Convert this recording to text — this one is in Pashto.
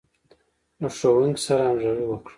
له ښوونکي سره همغږي وکړه.